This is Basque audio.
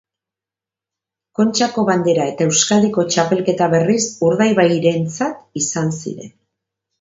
Kontxako bandera eta Euskadiko txapelketa berriz Urdaibairentzat izan ziren.